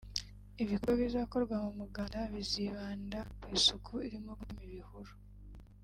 Ibikorwa bizakorwa mu muganda bizibanda ku isuku irimo gutema ibihuru